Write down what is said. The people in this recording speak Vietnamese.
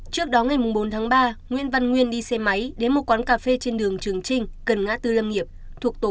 trước đó ngày bốn tháng ba nguyễn văn nguyên đi xe máy đến một quán cà phê trên đường trường trinh gần ngã tư lâm nghiệp thuộc tổ một